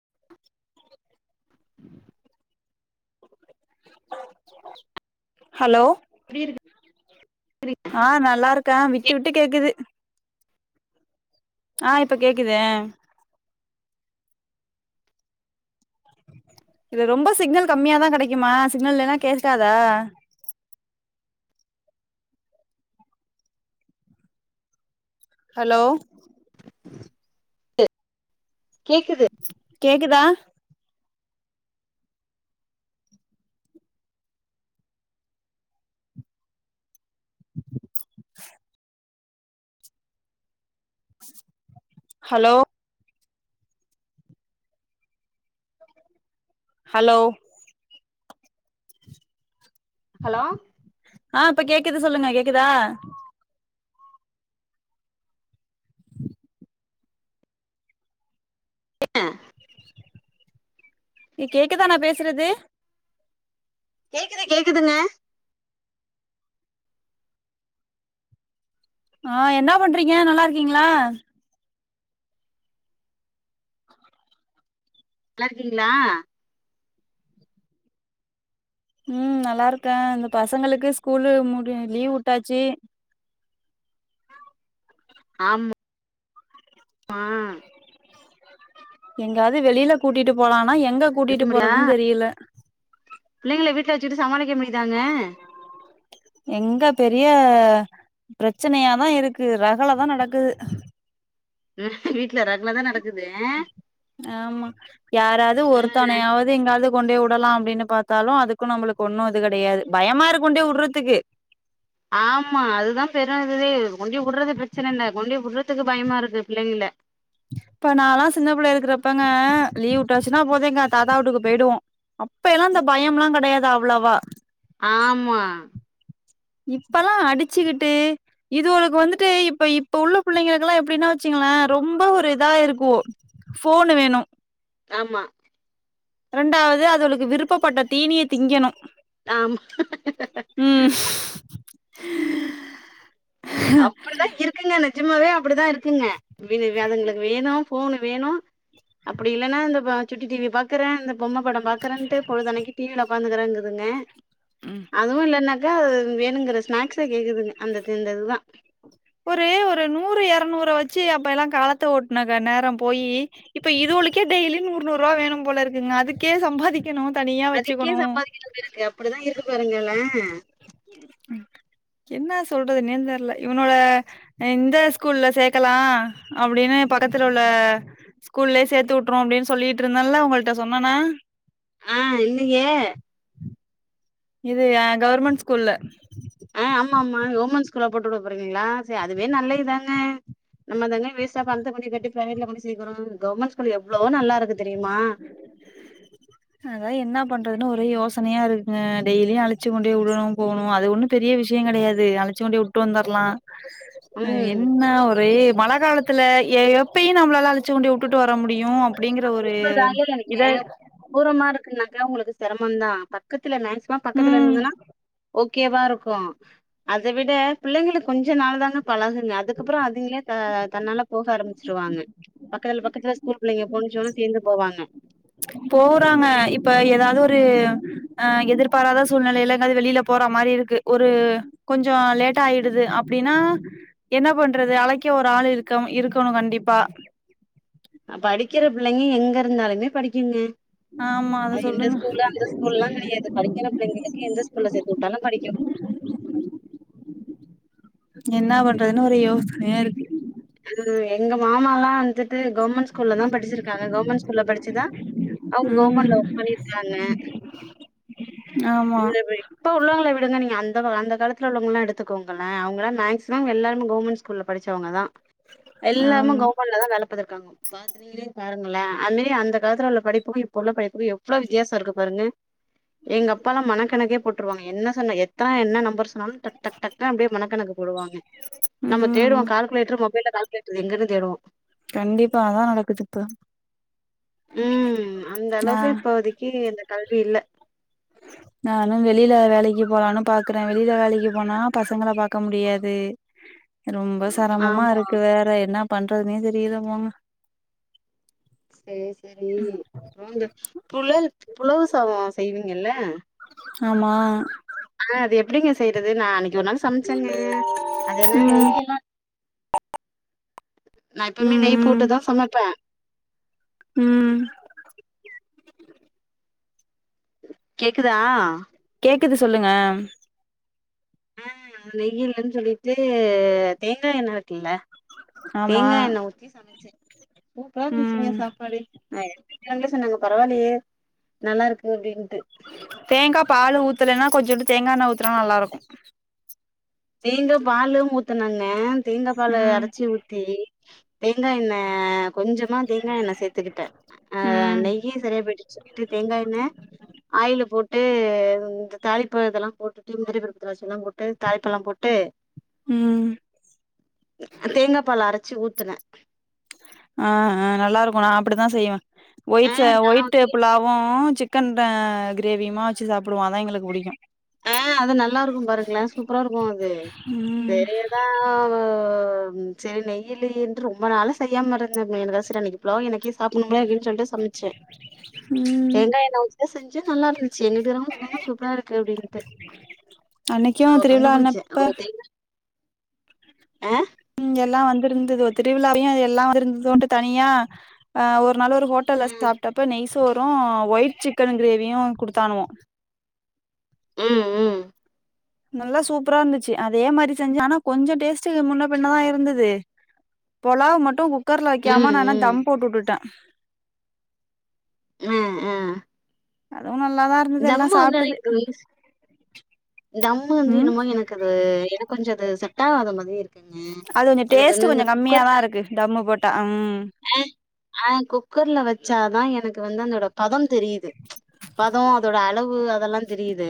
[unintelligible] Hello எப்டி இருக்கு ஆஹ் நல்லா இருக்கே விட்டு விட்டு கேக்குது ஆஹ் இப்ப கேக்குது அஹ் இது ரொம்ப சிக்னல் கம்மியாதா கெடைக்குமா சிக்னல் இல்லன்னா கேட்காதா ஹலோ கேக்குது கேக்குதா [unintelligible] ஹலோ ஹலோ ஹலோ ஆஹ் இப்ப கேக்குத சொல்லுங்க கேக்குதா [unintelligible] இ கேக்குதா நா பேசுறது கேக்குது கேக்குதுங்க ஆஹ் என்ன பண்றீங்க நல்லா இருக்கீங்களா நல்லா இருக்கீங்களா உம் நல்லா இருக்கே இந்த பசங்களுக்கு ஸ்கூல்லு முடி லீவ் வுட்டாச்சு ஆமா மா எங்காது வெளியில கூட்டிட்டு போலான் னா எங்க கூட்டிட்டு போறதுன்னு தெரியல பிள்ளைகளை வீட்டுல வச்சிட்டு சமாளிக்க முடிய எங்க பெரிய அஹ் பிரச்சனையாதா இருக்கு ரகல தா நடக்குது வீட்டுல ரகள தா நடக் ஆமா யாராவது ஒருத்தவணையாவது எங்காவது கொண்டே வுடலா அப்டின்னு பாத்தாலு அதுக்கு நம்மளுக்கு ஒண்ணு இது கிடையாது பயமா இருக்கு கொண்டோய் வுடறதுக்கு ஆமா அதுதா பெரும் இதுதே கொண்டோ வுடுறது பிரச்சனை இல்ல கொண்டி வுடறதுக்கு பயமா இருக்கு பிள்ளைங்க இப்ப நாலா சின்னப்புள்ளயில இருக்கிறப்பங்க லீவ் விட்டாச்சுன்னா போது எங்க தாத்தா வுட்டுக்கு போயிடுவோ அப்பயெல்லா இந்த பயம் எல்லா கிடையாதா உள்ளவா ஆமா இப்பல்லா அடிச்சுக்கிட்டு இதுவளுக்கு வந்துட்டு இப்ப இப்ப உள்ள பிள்ளைங்கக்கெல்லா எப்டின்னா வச்சுங்களே ரொம்ப ஒரு இதா இருக்கு ஃபோனு வேணு ஆமா ரெண்டாவது அதுகளுக்கு விருப்பப்பட்ட தீனிய திங்கணு ஆமா அப்டிதா இருக்குங்கனே ஜிம்மாவே அப்பிடிதா இருக் குங்க விது வெதுங்குளுக்கு வேணு ஃபோனு வேணு அப்டி இல்லன்னா இந்த பா சுட்டி டிவிய பாக்குறான் இந்த பொம்மப் படம் பாக்குறேன்ட்டு பொழுதன்னைக்கு டிவில உட்காந்துக்கறங்குறதுங்க ம் அதுவும் இல்லேனாக்க வேணுங்குற ஸ்நாக்ஸ கேக்குதுங்க அந்த தின்றது தான் ஒரு ஒரு நூறு எரநூற வச்சு அப்ப எல்லாம் காலத்த ஓட்னக்க நேரோம் போயி இப்ப இதுவுளுக்கே டெய்லி நூறு நூறு ரூவா வேணும் போலருக்குங்க அதுக்கே சம்பாதிக் அதுக்கே சம்பாதிக்கினன்னு இருக்கு அப்புடிதான் இருக்கு பாருங்களேன் என்னா சொல்றதுனே தெர்ல இவன் ன்னோட எந்த ஸ்கூல்ல சேக்கலாம் அப்டின்னு பக்கத்துல உள்ள ஸ்கூல்லயே சேர்த்து உட்டுறுவோம் அப்டின் சொல்லிடிருந்தனல்ல உங்கள்ட்ட சொன்னேனா ஆ இன்னிகே இது ஆ கவுர்மெண்ட் ஸ்கூல்ல ஆ ஆமா கவுர்மெண்ட் ஸ்கூல்ல போட்டுடபோறீங்களா சர்ரி அதுவே நல்ல இதாங்க நம்ம தாங்க வேஸ்ட்டா பணத்த கொண்டி கட்டி ப்ரைவேட்ல கொண்டி சேர்க்குறோம் கவர்மெண்ட் ஸ் ல்லு எவ்ளோ நல்லாருக்கு தெரியுமா அது தான் என்ன பண் றன்னு ஒரே யோசனையா இருக்குங்க டெய்லியும் அழச்சு கொண்டுபோயி உடுணும் போணும் அது ஒண்ணும் பெரிய விஷயம் கெடையாது அழச்சு கொண்டுபோய் உட்டு வந்தர்ரலாம் அ ம் என்ன ஒரேப் மழ காலத்துல எ எப்பயும் நம்மளாலா அழச்சு கொண்டி உட்டுட்டு வர முடியும் அப்டிங்கற ஒரு [unintelligible] இத த்தூரமா இருக்கு நாங் தே உங்குளுக்கு சிரமந் தான் பக்கத் த்துல நேன்சிமா பக்கத்துல ம் இந்துதுனா ஓகேவாருக்கோ அத விட பிள்ளைங்களுக்கு கொஞ்ச நாளுதான பழகுங்க அதுக்கப்பறோ அதுங்ளே ஆ தன்னால போக ஆரம்மிச்சிருவாங்க பக்கத்ல பக்கத்துல ஸ்கூல் புள்ளைங்க முஞ்சோன சேந்து போவாங்க ச்ச போறாங்க இப்ப எதாது ஒரு ஆ எதிர்பாராத சூழ்நெலைல எங்காது வெளிலா போறா மாரி இருக்கு ஒரு கொஞ்சோ லேட்டா ஆயிடுது அப்டினா என்னா பண்றது அலைக்க ஒரு ஆளு இருக்கம் இருக்கணோ கண்டிப்பா அ படிக்கிற பிள்ளைங்க எங்கிருந்தாலுமே படிக்குங்கே ஆமா அத ஆ இந்த சொல்லுங்க ஸ்கூலு அந்த ஸ்கூல்லா கெடையாது படிக்கிற பிள்ளைங்களுக்கு எந்த ஸ்கூல்லா சேத்து உட்டாலு படிக்குயு என்னா பண்றதுனு ஒரு யோசனையாருக்கு அது எங்க மாமாலா வந் துட்டு கவுன்மென்ட் ஸ்கூல்லதா படிச்சிருக்காங்க கவுன்மென்ட் ஸ்கூல்ல படிச்சிதா அவுங்க ம் கவுன்மென்ட்ல ஒர்க் பண்ணியிட்ருக்காங்க ஆமா இங்க போயி இப்ப உள்ளவங்கள வி டுங்க நீங்க அந்த கா அந்த காலத்துல உள்ளவங்களா எடுத்துக்கோங்களே அவுங்கலா மேக்ஸ்சிமம் எல்லார்மே கவுன்மென்ட் ஸ்கூல்ல படிச்சவங்கதா எல்லாமு ஆமா கவுர்மெண்ட்லதா வேல பாத்துருக்காங்க பாத்து நீங்களே பாருங்களே அது மாரி அந்த காலத்துலுள்ள படிப்புக்கு இப்ப உள்ள படிப்புக்கு எவ்வளோ வித்தியாச இருக்கு பாருங்க எங்க அப்பாலாம் மனக்கணக்கே போட்டுருவாங்க என்ன சொன்ன எத்தன என்ன நம்பர் சொன்னாலு டக் டக் டக்குனு அப்டியே மணக்கணக்கு போடுவாங்க நம்ம தேடுவோ ம் கால்குலேட்டர் கால்குலேட்டர் எங்கன்னு தேடுவோ கண்டிப்பா அதா நடக்குது இப்ப உம் அந்த ஆ அளவுக்கு இப்போதைக்கு கல்வி இல்ல நானும் வெளியில வேலைக்கு போலான்னு பாக்குற வெளியில வேலைக்கு போனா பசங்கள பாக்க முடியாது ரொம்ப செரமமா ஆமா இருக்கு வேற என்னா பண்றதுனே தெரியல போங்க சரி சரி அந்த புழல் புலவு சாதம் செய்வீங்கல்ல ஆமா ஆஹ் அது எப்படிங்க செய்றது நான் அன்னைக் அன்னைக்கு ஒரு நாள் சமைச்சங்க அதென்ன ம் நெய்யல்லா நா எப்பமே ம் நெய் போட்டுதா சமைப்பே உம் கேக்குதா கேக்குது சொல்லுங்க ஆஹ் நெய்யில்லன் சொல்லிட்டு தேங்கா எண்ண இருக்குல்ல ஆமா தேங்கா எண்ணெ ஊத்தி சமைச்சே சூப்பரா ம் இருந்துச்சுங்க சாப்பாடு [unintelligible] என்ன சொன்னாங்க பரவால்லயே நல்லா இருக்கு அப்படின்னு பா தேங்கா பால் ஊத்தலன்னா கொஞ்சுன்டு தேங்கா எண்ணெ ஊத்துனா நல்லா இருக்கு தேங்கா பாலு ஊத்துனங்க தேங்காபால ம் அரைச்சி ஊத்தி தேங்கா எண்ணெய் கொஞ்சமா தேங்கா எண்ணெ சேத்துக்கிட்டே அஹ் ம் நெய்யு சரியா போயிட்டு சொல்லிட்டு தேங்கா எண்ணெ ஆயில் போட்டு ட்டு இந்த தாலிப்ப இதெல்லா போட்டுட்டு முந்திரி பருப்பு திராட்சை எல்லா போட்டு தா ளிப்பலாம் போட்டு ம் தேங்கா பால அரைச்சு ஊத் த்துன ஆஹ் ஹ நல்லா இருக்கு நா அப்படிதா செய்வ ஆ ஒயிட்ஸ் நா ஒயிட்டு வந்து புலாவு சிக்கன்தா கிரேவிமாச்சு சாப்பிடுவே அதா எங்களுக்கு பிடிக்கும் ஆஹ் அது நல்லா இருக்கும் பாருங்களன் சூப்பரா இருக்கும் அது ம் பெரியதான் சரி நெய்யலி என்று ரொம்ப நாள செய்யாம இருந்தே [unintelligible] எனக்கு சாப்பிடணுமே அப்படின்னு சொல்லிட்டு சமைச்சே ம் தேங்காயை நா உச்ச செஞ்சு நல்லா இருந்துச்சு எங்கிட்டட்டு இருவங்க என்னும் சூப்பரா இருக்கு அப்படின்னு அன்னைக்கே திருவிழா என்னப்ப அஹ உம் எல்லாம் வந்திருந்தது திருவிழாவையும் எல்லாம் வ இருந்ததோ தனியா ஆஹ் ஒரு னால ஒரு ஹோட்டல்ல ம் சாப்பிட்டப்ப நைஸ் போறோ ஒயிட் சிக்கன் கிரேவியும் குடுத்தாங்கோ உம் உம் நல்லா சூப்பரா இருந்துச்சு அதே மாரி செஞ்ச ஆனா கொஞ்சம் டேஸ்ட் முன்ன பின்னதா இருந்தது பொலாவ் மட்டும் குக்கர்ல ம் ம் வைக்காம நானா ம் தம் போட்டு விட்டுட்டே உம் உம் அதுவும் நல்லாதா இருந்தது எல்லாம் சாப்பிட்டது இந்தம்ம வந்து என்னமோ எனக்கு அது என கொஞ்சம் அது சட்டாவாதம் மாதிரியே இருக் அது கொஞ்சோ எனக்கு டேஸ்ட்டு வந்து இந்த கொஞ்சோ கம்மியாதா குக்கர்ல இருக்கு தம்மு போட்டா ம் ஹ குக்கர்ல வச்சாதா எனக்கு வந்து அந்தோட பதம் தெரியுது [unintelligible] [unintelligible] அதெல்லாம் தெரியுது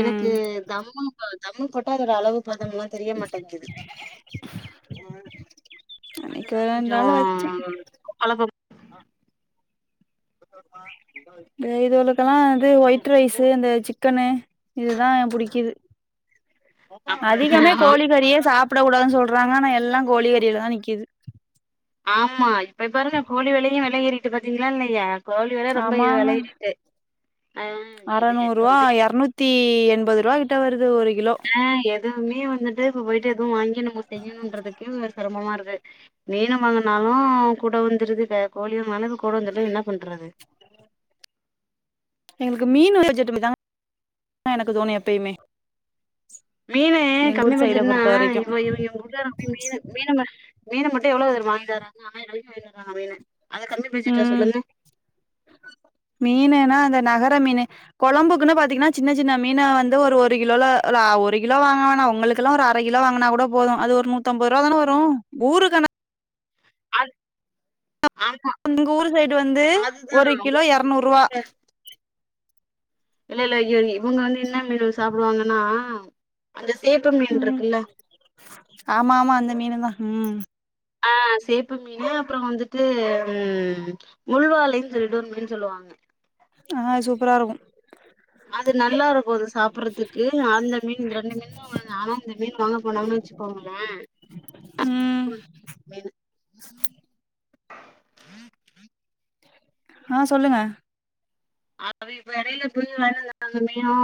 எனக்கு தம்மா தம் போட்ட அதோட அளவு பதம் எல்லாம் தெரிய மாட்டேங்குது அன்னைக்கு அதுதா ஒரு ரெண்டு கொஞ்சம் நாள் வச்சே அலபம் இந்த இதவக்கெல்லாம் வந்து ஒயிட் ரைஸு இந்த சிக்கனு இதுதா புிடிக்குது அப்ப அதிகமே ஆம். கோழிக்கறியே சாப்ப க்க கூடாதுன்னு சொல்றாங்க ஆனா எல்லாம் கோழிறியில தா நிக்குது ஆமா இப்ப பாருங்க கோழி விலையும் ஏறிட்டு பாத்தீங்களா இல்லையா கோழி வில ரொம்ப ஏடிட்டு அறநூறு ரூவா இரநூத்தி எண்பது [unintelligible] வருது ஒரு கிலோ ஆஹ் எ ஏ மீன் வந்துட்டு இப்ப போயிட்டு எதுவும் வாங்கி நம்ம செய்யணும்ன்றதுக்கு சிரமமா இருக்கு மீன் வாங்கினாலும் கூட வந்துடுது கோழி வாங்கினாலும் கூட வந்துட்டும் என்ன பண்றது எங்களுக்கு மீன் வ ஜட்டும தாங்க எனக்கு தோணும் எப்பயுமே மீனு எங்க கம்மி ஊர் சைட பட்ஜெட்ன்னா பொறுத்த வரைக்கு இவ இவவங்க உள்ளப்ப மீனு மீனு மீன் மட்டு எவ்ளோ தெரியுமா வாங்கிட்டு வாரங்க [unintelligible] வாங்கிட்டு வராங்க மீனு அது கம்மி பட்ஜெட்டா ம் சொல்லுங்க மீனுன்னா இந்தந்த நகர மீனு குழம்புக்குன்னு பாத்தீங்கன்னா சின்ன சின்ன மீன வந்து ஒரு ஒரு கிலோல ல ஒரு கிலோ வாங்க வேணா உங்களுக்கெல்லா ஒரு அரை கிலோ வாங்குனா கூட போது அது ஒரு நூத்து ஐம்பது ரூவா தான வரு ஊருக்குன அது ஆமா உங்க ஊரு சைடு வந்து அதுதா ஒரு கிலோ இரநூறு ரூவா இல்ல இ இவங்க வந்து என்ன மீன சாப்பிடுவாங்கன்னா அந்த சேப்பு மீன் ம் இருக்குல்ல ஆமா ஆமா அந்த மீன்தா ம் ஆ சேப்பு மீனு அப்புற வந்துட்டு ம் முள்வாலைன்னு சொல்லிட்டு ஒரு மீன் சொல்லுவாங்க ஆ சூப்பரா இருக்கும் அது நல்லா இருக்கு அது சாப்பிடுறதுக்கு அந்த மீன் இந்த ரெண்டு மீனு வாங்கங்க ஆனா இந்த மீன் வாங்க போனங்னு வச்சுக்கோங்களே ம் [unintelligible] மீனு [inaudible] ஆ சொல்லுங்க அப்பவே இவ்ளோ இடையில [unintelligible] மீனு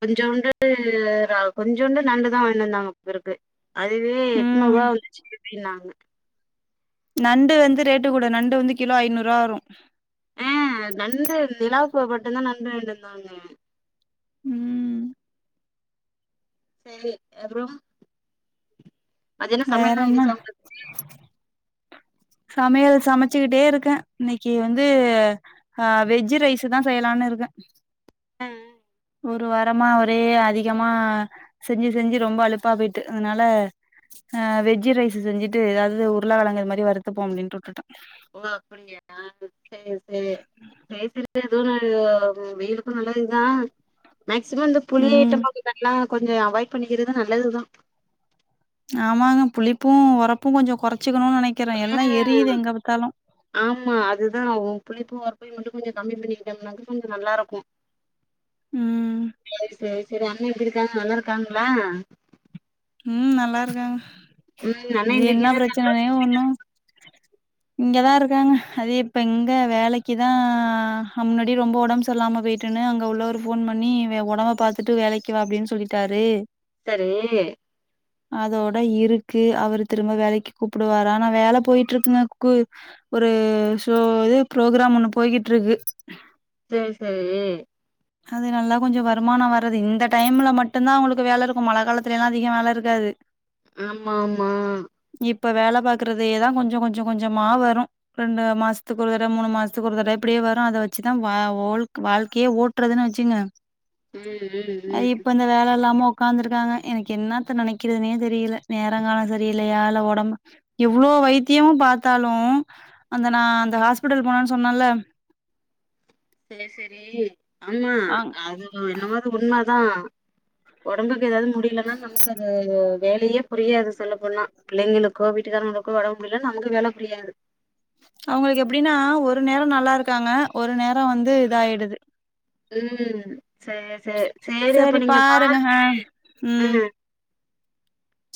கொஞ்சோண்டு கொஞ்சண்டு நண்டுதா வாங்கிட்டுவந்தாங்க போலிருக்கு அதுவே எட்நூறு ம் ரூபா வந்துச்சு அப்டின்னங்க நண்டு வந்து ரேட்டு கூட நண்டு வந்து கிலோ ஐநூறு ரூபா வரு ம் நண்டு நிலாவுக்கு மட்டுதா நண்டு வாங்கிட்டு வந்தாங்க ம் சேரி அப்பறோ அது என்ன வேற சமையல்ல என்ன ஆயிடுச்சா உங்களுக்கு சமையல் சமைச்சுக்கிட்டே இருக்க இன்னைக்கு வந்து ஆ வெஜ் ரைஸ் தா செய்யலானு இருக்க ம் ஒரு வாரமா ஒரே அதிகமாக செஞ்சு செஞ்சு ரொம்ப அழுப்பாக போயிட்டு அதனால ஹ வெஜ் ரைஸ் செஞ்சுட்டு எதாவது உருளக்கழங்கு அது மாரி வருறுத்துப்போ அப்டின்னுட்டு உட்டுட்ட ஓ அப்படியா சேரி சேரி [unintelligible] [unintelligible] வெயிலுக்கு நல்லதுதா மேக்ஸிமம் இந்த புளி ம் ஐட்டம [unintelligible] கொஞ்ச அவாய்ட் பண்ணிக்கிறது நல்லதுதா ஆமாங்க புளிப்பும் உரப்பும் கொஞ்ச குற ம் ஆமா அதுதா ம் புள்ளிப்ப ஓர போய் மட்டு கொஞ்ச கம்மி பண்ணிக்கிட்டோம்னாக கொஞ்ச நல்லாருக்கு ம் சேரி சேரி அந் வீட்ல எப்டிருக்காங்க நல்லாருக்காங்களா ம் நல்லாருக்காங்க ம் அண்ணே இது என்ன எங்க பிரச்சனனே ஒண்ணு இங்கதா இருக்காங்க அது இப்ப இங்க வேலைக்குதா முன்னாடி ரொம்ப உடம்புசேறில்லாம போயிட்டுன்னு அங்க உள்ளவரு போன் பண்ணி உடம்ப பாத்துட்டு வேலைக்கு வா அப்டின்னு சொல்லிட்டாரு சரி அதோட இருக்கு அவரு திரும்ப வேலைக்கு கூப்பிடுவரு ஆனா வேல போயிட்டு இருக்குங்க கு ஒரு ஷோ இது ப்ரோக்ராம் ஒண்ணு போகிட்டுருக்கு சரி சரி அது நல்லா கொஞ்சோ வருமானோ வர்து இந்த டைம்ல மட்டும்தா அவுங்களுக்கு வேல இருக்கோ மழ காலத்துலலா அதிகோ வேல இருக்காது ஆமா ஆமா இப்ப வேல பாக்கறதேதா கொஞ்சோ கொஞ்சோ கொஞ்சோமா வரோ ரெண்டு மாசத்துக்கு ஒரு தட மூணு மாசத்துக்கு ஒரு தட இப்படியே வரோ அத வெச்சுதா ஓக் வாழ்க்கையே ஓடு விட்றதுன்னு வெச்சுகுங்க ம் ம் அது ம் இப்ப இந்த வேல இல்லாம ஒக்காந்துருக்காங்க எனக்கு என்னத்த நெனைக்கிறதுனே தெரியுல நேரங்காலோ சரியில்லலையா இல்ல ஒடம்பு இவ்வளோ வைத்தியமு பார்த்தாலோ அந்த நா அந்த ஹாஸ்பிட்டல் போனன்னு சொன்னேன்ல சரி சரி ஆமா அங் அது என்னமது உண்மை தா ஒடம்புக் ஏதாவது முடியலன்னா நமக்கு அது வேலயே புரியாது சொல்லப்போனா பிள்ளைங்களுக்கோ வீட்டுக்காரங்களுக்கோ ஒடம்பு முடியல அங்க வேல புரியாது அவுங்களுக்கு எப்டீன்னா ஒரு நேரோ நல்லா இருக்காங்க ஒரு நேரோ வந்து இத ஆயிடுது ம் சரி சரி சரி அப்ப நீங்க பாருங்க ம்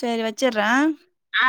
சரி வச்சிடுற ஆ